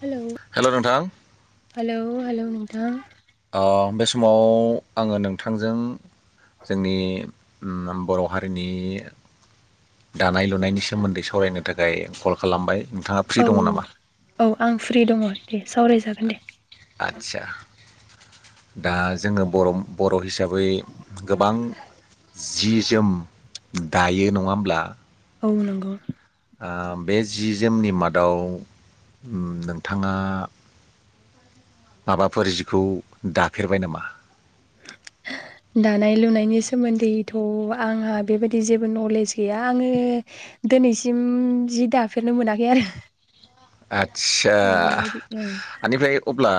Hello हेल' नोंथां hello hello नोंथां अ बे समाव आङो नोंथांजों जोंनि उम बर' हारिनि दानाय लुनायनि सोमोन्दै सावरायनो थाखाय कल खालामबाय नोंथाङा फ्रि औ दङ नामा [unintelligible] औ आं फ्रि दङ' दे सावरायजागोन दे। आदसा दा जोङो बर'म बर' हिसाब बै गोबां जि जोम दायो नङा होमब्ला औ नोंगौ। ओ बे जि जोमनि मादाव नोंथाङा माबाफोर जिखौ दाफेरबाय नामा? [inaudible] दानाय लुनायनि सोमोन्दैथ' आंहा बेबायदि जेबो नलेज गैया आङो दोनैसिम जि दाफेरनो मोनाखै आरो आदसा बेबायदि ओं। आनिफ्राय अब्ला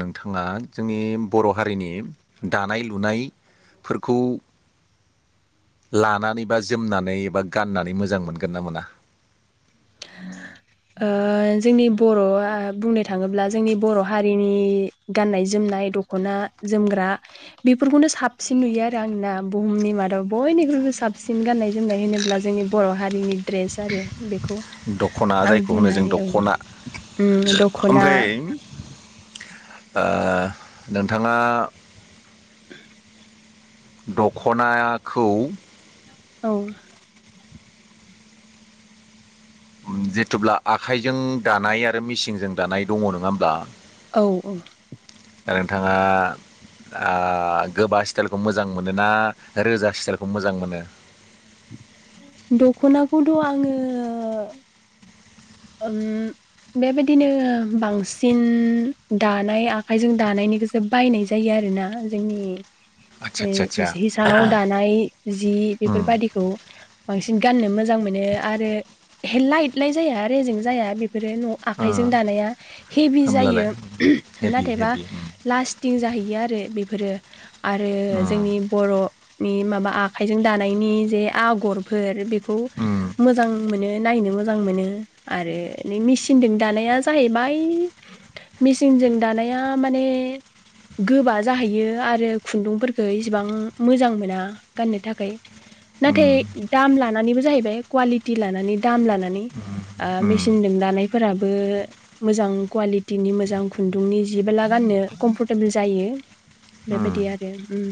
नोंथाङा जोंनि बर' हारिनि दानाय लुनाय फोरखौ लानानै बा जोमनानै बा गाननानै मोजां मोनगोनना मोना [inaudible] ओ जोंनि बर'आ बुंनो थाङोब्ला जोंनि बर' हारिनि गान्नाय जोम नाय दख'ना जोमग्रा बेफोरखौनो साबसिन नुयो आरो आंना बुहुमनि मादाव बयनि [unintelligible] साबसिन गाननाय जोमनाय होनोब्ला जोंनि बर' हारिनि ड्रेस आरो बेखौ दख'ना आं जायखौ बुंनो होनो जों हायो औ दख'ना उम दख'ना ओमफ्राय ओ नोंथाङा [inaudible] दख'नायाखौ औ जिथब्ला आखाइजों दानाय आरो मेसिनजों दानाय दङ नङा होमब्ला औ औ दा नोंथाङा ओ गोबा स्टाइलखौ मोजां मोनो ना रोजा स्टाइलखौ मोजां मोनो दख'नाखौथ' आङो ओम बेबायदिनो बांसिन दानाय आखाइजों दानायनिखौसो बायनाय जायो आरो आरोना जोंनि आदसा आदसा आदसा हि सानाव दानाय जि उम बेफोरबायदि बांसिन गाननो मोजां मोनो आरो लाइट लाइट जाया रेजें जाया बे बेफोरो न' ओ आखाइजों दानाया हेभि होमब्लालाय जायो हेभि नाथायबा हेभि उम लास्टिं जाहैयो आरो आरो बेफोरो आरो उम जोंनि बर'नि माबा आखाइजों दानायनि जे आगरफोर बेखौ उम मोजां मोनो नायनो मोजां मोनो आरो मिसिनजों दानाया जाहैबाय मिसिन जों दानाया माने गोबा जाहैयो आरो खुन्दुंफोरखौ इसिबां मोजां मोना गाननो थाखाय नाथाय उम दाम लानानैबो जाहैबाय कुवालिटि लानानै दाम लानानै ओ उम मेसिनजों दानायफोराबो मोजां कुवालिटिनि मोजां खुन्दुंनि जेबो लागोन होननो कमफरटेबोल जायो उम बेबायदि आरो ओम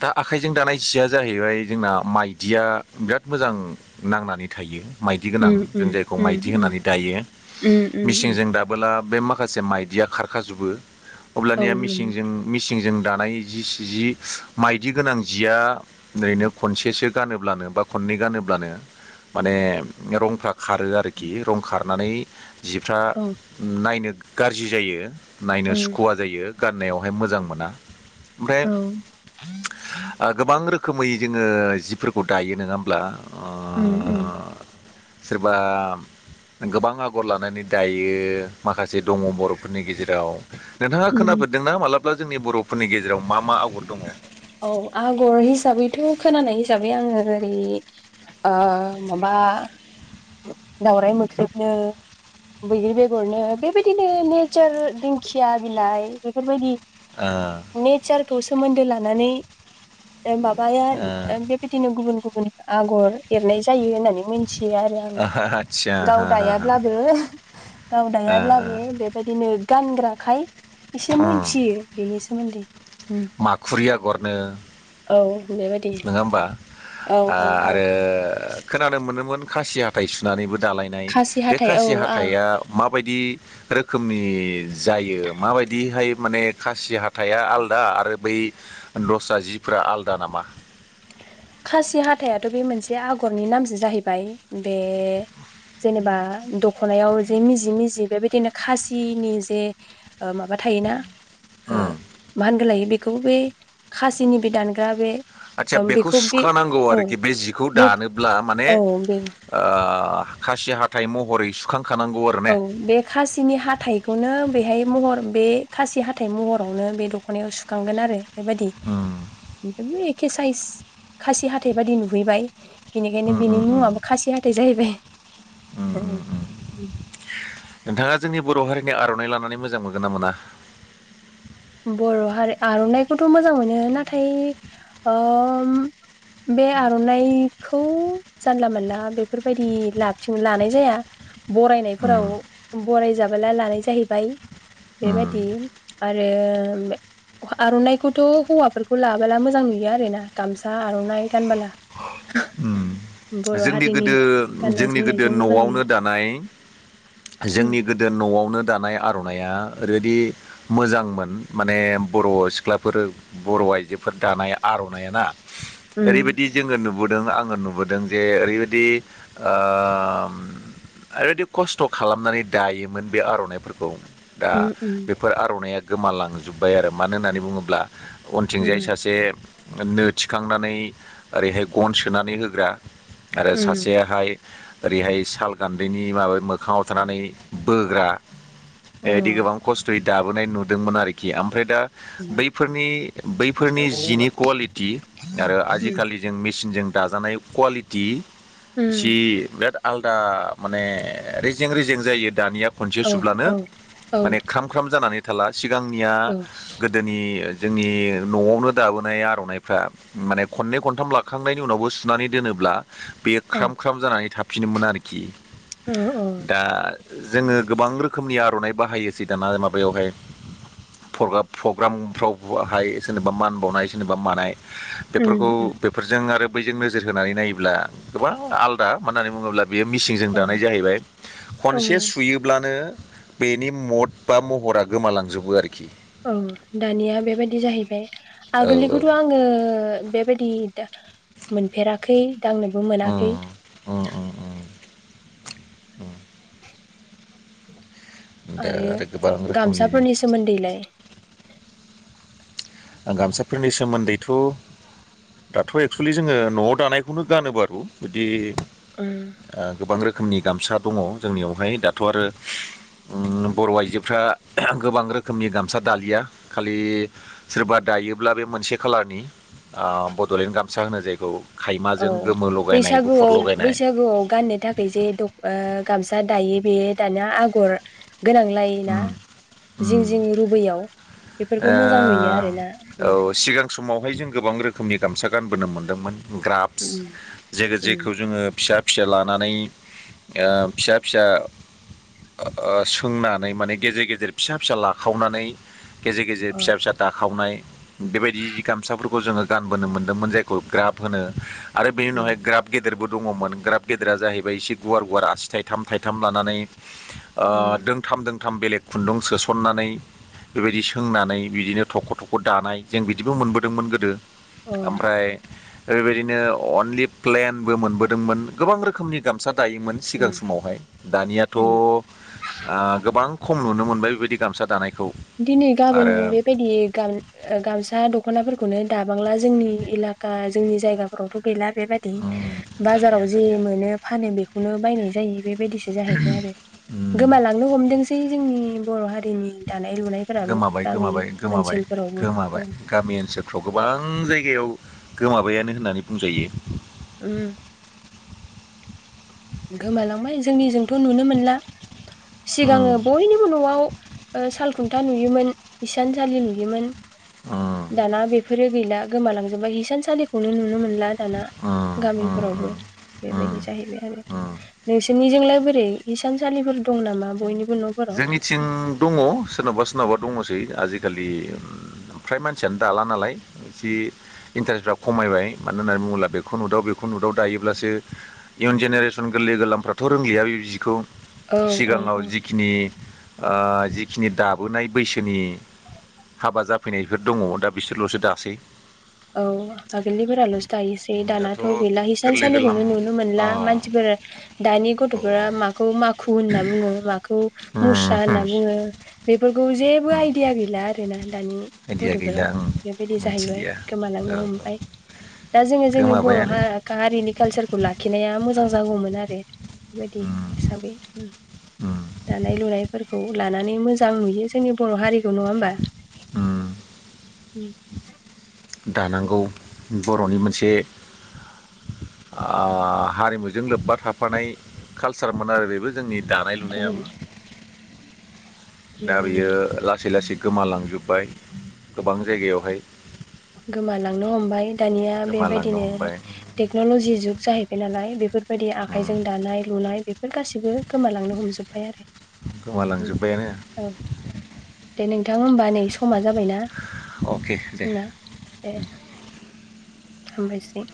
दा आखाइजों दानाय जिया जाहैबाय जोंना माइदिया बिराद मोजां नांनानै थायो माइदि गोनां उम जों उम जायखौ माइदि उम होनानै दायो उम उम मेसिंजों दाबोला बे माखासे माइदिया खारखा जोबो उम औ अब्लानिया नंगौ मिसिंजों मिसिंजों दानाय जि माइदि गोनां जिया ओरैनो खनसेसो गानोब्लानो बा खननै गानोब्लानो माने रंफ्रा खारो आरोखि रं खार खारनानै जिफ्रा औ नायनो गाज्रि जायो नायनो उम सुखुवा जायो गाननायावहाय मोजां मोना ओमफ्राय औ ओ गोबां [inaudible] रोखोमै जोङो जिफोरखौ दायो नोङा होमब्ला ओ उम उम सोरबा गोबां आगर लानानै दायो माखासे दङ बर'फोरनि गेजेराव नोंथाङा उम खोनाफेरदोंना मालाबा जोंनि बर'फोरनि गेजेराव मा मा आगर दङ औ आगर हिसाबैथ' खोनानाय हिसाबै आङो ओरै ओ माबा दावराय मोख्रेबनो बैग्रि बेगरनो बेबायदिनो नेचार दिंखिया बिलाइ बेफोरबायदि ओ खौ सोमोन्दो लानानै माबाया बेबायदिनो गुबुन गुबुन आगर एरनाय जायो होननानै मिथियो आरो आं आदसा गाव हो दायाब्लाबो गाव हो ओ दायाब्लाबो बेबायदिनो गानग्राखाय एसे उम मोनथियो बेनि सोमोन्दै उम। माखुरि अगरनो औ बेबायदि नङा होमबा औ ओ औ औ आरो खोनानो मोनोमोन खासि हाथाइ सुनानैबो दालायनाय खासि बे हाथाइ औ खासि आ हाथाया माब माबायदि रोखोमनि जायो माबायदिहाय माने खासि हाथाया आलदा आरो बै दस्रा जिफ्रा आलदा नामा खासि हाथायाथ' बे मोनसे आगरनि नामसो जाहैबाय बे जेनेबा दखनायाव जे मिजि मिजि बेबायदिनो खासिनि जे माबा थायोना ओ उम मा होनगो लायो बेखौ बे खासिनि बे दानग्रा बे आदसा ओम बेखौ। बे सुखानांगौ औ आरोखि बे जिखौ बे दानोब्ला माने औ बे ओ। खासि हाथाय महरै सुखां। औ बे खासिनि हाथाइखौनो बेहाय महर बे खासि हाथाय मह'रावनो बे दख'नायाव सुखांगोन आरो बेबायदि उम बेफोरबे के साइज खासि हाथाइ बादि नुहैबाय। बिनिखायनो उम बिनि उम मुङाबो खासि हाथाय जाहैबाय हो उम। नोंथाङा जोंनि बर' हारिनि आर'नाइ लानानै मोजां मोनगोनना मोना? बर' हारि आर'नाइखौथ' मोजां मोनो नाथाय ओम। बे आर'नाइखौ जानला मोनानला बेफोरबायदि लाबथिं लानाय जाया। बरायनायफोराव उम बरायजाबोला लानाय जाहैबाय उम बेबायदि आर रोम बे आर'नाइखौथ' हौवाफोरखौ लाबोला मोजां नुयो आरो ना गामसा आर'नाइ गानबोला। उम बर' जोंनि हारिनि गोदो गाननाय जोंनि गोदो जोमनायजों मोजां नुयो न'आवनो दानाय। उम जोंनि गोदो न'आवनो दानाय आर'नाइया ओरैबायदि मोजांमोन माने बर' सिख्लाफोर बर' आइजोफोर दानाय आर र'नाय ना उम ओरैबायदि जोङो नु नुबोदों आङो नुबोदों जे ओरैबायदि ओ उम ओरैबायदि खस्थ' खालामनानै दायोमोन बे आर'नाइफोरखौ। दा उम उम बेफोर आर'नाइया गोमालांजोब्बाय आरो मानो होननानै बुङो? ब्ला उनथिंजाय उम सासे नो थिखांनानै ओरैहाय गन सोनानै होग्रा आरो सासेयाहाय ओरैहाय साल गान्दैनि माबा मो मोखाङाव थानानै बोग्रा। अ बेबायदि गोबां उम खस्थ'यै दाबोनाय नुदोंमोन आरोखि आम। ओमफ्राय दा बैफोरनि बैफोरनि जिनि कुवालिटि आरो आजिखालि जों मि मिचिनजों दाजानाय कुवालिटि सि उम बिराद आलदा माने रेजें रेजें जायो दानिया। खनसे औ सुब्लानो औ औ माने ख्राम ख्राम जानानै थाला सिगांनिया औ गोदोनि जोंनि न'आवनो दाबोनाय आर'नाइफ्रा माने खननै खनथाम लाख खांनायनि उनावबो सुनानै दोनोब्ला बेयो ख्राम ख्राम जानानै थाफिनोमोन आरोखि। औ औ दा। जोङो गोबां रोखोमनि आर'नाइ बाहायो जे दाना माबायावहाय। प्रग्राफ फग्रामफ्रावबो हायो सोरनोबा मान बावनाय सोरनोबा मानाय। बेफोरखौ। उम उम जों आरो बैजों नोजोर होनानै नायोब्ला गोबां आलदा मा होननानै बुङोब्ला। बेयो मिसिंजों अ दानाय जाहैबाय अ खनसे सुयोब्लानो। बेनि मद बा महरा गोमालांजोबो आरोख औ दानिया बेबायदि जाहैबाय औ औ आगोलनिखौथ' आङो बेबायद दि दा मोनफेराखै दांनोबो मोनाखै। ओम। आरो गोबां रोखोमनि गामसाफोरनि सोमोमदैलाय। आं गामसाफोरनि सोमोन्दैथ' दाथ' एक्सुेुलि जोङो न'आव दानायखौनो गानोबारु बिदि उम ओ गोबां रोखोमनि गामसा दङ जोंनियावहाय दाथ' आरो उम बर' आइजोफ्रा गोबां रोखोमनि गामसा दालिया खालि सोरबा दायोब्ला बे मोनसे खालारनि आ बड'लेण्ड गामसा होनो जायखौ। औ खायमाजों गोमो लगायनाय गुफुर बैसागुआव लगायनाय बैसागुआव गाननो थाखाय जे द ओ। गामसा दायो बे दानिया आगर गोनांलाय ना उम जिं उम जिं रुबैयाव बेफोरखौ मोजां नुयो आरोना उम ओ औ सिगां समावहाय जों गोबां रोखोमनि गामसा गानबोनो मोनदोंमोन। ग्राफस उम जेरै उम जेखौ जोङो फिसा फिसा लानानै ओ फिसा फिसा ओ सोंनानै माने गेजेर गेजेर फिसा फिसा लाखावनानै गेजेर गेजेर अ फिसा फिसा दाखावनाय बेबायदि गामसाफोरखौ जोङो गानबोनो मोन्दोंमोन जायखौ ग्राफ होनो। आरो बेनि उम उनावहाय ग्राब गेदेरबो दङ'मोन ग्राब गेदेरा जाहैबाय एसे गुवार गुवार आसि थाइथाम थाइथाम लानानै ओ उम दोंथाम दोंथाम बेलेग खुन्दुं सोस'ननानै बेबायदि सोंनानै बिदिनो थख' थख' दानाय जों बिदिबो मोनबोदोंमोन गोदो। अ ओमफ्राय ओरैबायदिनो अनलि प्लेनबो मोनबोदोंमोन। गोबां रोखोमनि गामसा दायोमोन सिगां उम समावहाय। दानियाथ' ओ उम गोबां खम नुनो मोनबाय बेबायदि गामसा दानायखौ। दिनै गाबोन आरो बेबायदि गाम ओ गामसा दख'नाफोर खौनो दाबांला जोंनि एलाका जोंनि जायगाफोरावथ' गैला बेबायदि। उम बाजाराव जि मोनो फानो बेखौनो बायनाय जायो। बेबायदिसो जाहैबाय आरो। उम गोमालांनो हमदोंसै जोंनि बर' हारिनि दानाय लुनायफोराबो गोमाबाय गामि गोमाबाय गोमाबाय ओनसोलफोरावबो गोमाबाय औ गामि ओनसोलफ्राव गोबां जायगायाव गोमाबायानो होननानै बुंजायो। उम। गोमालांबाय जोंनिजोंथ' नुनो मोनला। सिगाङो उम बयनिबो न'आव ओ साल खुन्था नुयोमोन इसानसालि नुयोमोन, उम दाना बेफोरो गैला गोमालांजोबाय हिसानसालिखौनो नुनो मोन ला दाना उम उम गामिफोरावबो उम उम बेबायदि जाहैबाय आरो। उम नोंसिनिजोंलाय बोरै इसानसालिफोर दं नामा बयनिबो न'फोराव जोंनिथिं दङ' सोरनावबा सोरनावबा दङ'सै आजिखालि फ्राय मानसियानो दाला नालाय एसे इन्टारेस्टफ्रा खमायबाय मानो होननानै बुङोब्ला बेखौ नुदाव बेखौ नुदाव दायोब्लासो इयुन जेनेरेसन गोरलै गोरलामफ्राथ' रोंलिया बे जिखौ औ औ सिगाङाव औ। जिखिनि ओ जिखिनि दाबोनाय बैसोनि हाबा जाफैनायफोर दङ' दा बिसोरल'सो दासै। औ आगोलनिफोराल'सो दायोसै दाथ' दानाथ' गैला। गोरलै गोरलाम हिसानसालिखौनो नुनो अ मोनला मानसिफोरा दानि औ गथ'फोरा माखौ माखु होनना बुङो माखौ उम मु-मुस्रा होम होनना बुङो बेफोरखौ जेबो उम आइदिया गैला आरोना। दानि आइदिया गथ'फोरा गैला आं बेबायदि जाहैबाय मोनथिलिया गोमालांनो औ हमबाय। औ दा जोङो जोंनि बर' गोमाबायानो हा-हारिनि कालसारखौ लाखिनाया मोजां जागौमोन आरो। बेबायदि उम हिसाबै ओम उम दानाय लुनाय फोरखौ लानानै मोजां नुयो जोंनि बर' हारिखौ नङा होनबा? उम उम। दानांगौ बर'नि मोनसे आ हारिमुजों लोब्बा थाफानाय कालसारमोन आरो बेबो जोंनि दानाय लुनायाबो। दा बेबायदि बियो लासै लासै गोमालांजोबबाय गोबां जायगायावहाय। गोमालांनो हमबाय दानिया गोमालांनो बेबायदिनो हमबाय टेक्न'लजि जुग जाहैबाय नालाय बेफोरबायदि आखाइजों दानाय लुनाय बेफोर गासिबो गोमालांनो हमजोबबाय आरो गोमालांजोब्बायानो उम औ। दे नोंथां होमबा नै समा जाबायना अके दे जोंना दे। हामबायसै।